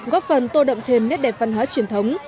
góp phần tô đậm thêm nét đẹp văn hóa truyền thống